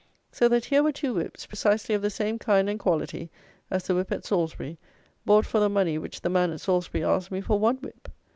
So that, here were two whips, precisely of the same kind and quality as the whip at Salisbury, bought for the money which the man at Salisbury asked me for one whip.